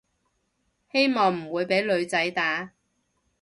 希望唔會畀女仔打